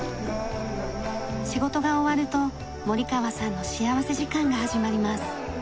仕事が終わると森河さんの幸福時間が始まります。